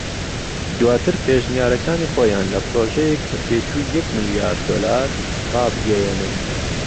دواتر پێشنیارەكانی خۆیان لە پرۆژەیەک بە تێچووی یەک ملیار دۆلار رابگەیەنن